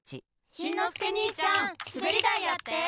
しんのすけにいちゃんすべりだいやって！